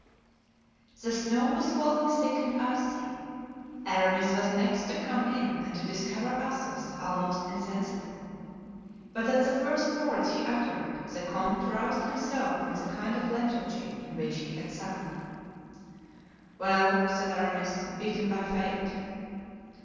The snow was falling thick and icy. Aramis was the next to come in and to discover Athos almost insensible. But at the first words he uttered the comte roused himself from the kind of lethargy in which he had sunk. "Well," said Aramis, "beaten by fate!"